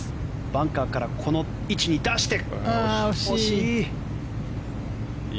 バンカーからこの位置に出して惜しい。